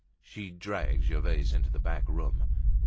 She dragged Gervaise into the back room.